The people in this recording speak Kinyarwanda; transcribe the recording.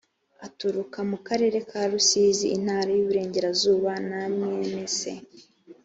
aturuka mu karere ka rusizi intara y ‘iburengerazuba namwenese.